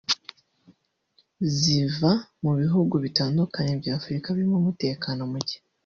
ziva mu bihugu bitandukanye by’Afurika birimo umutekano muke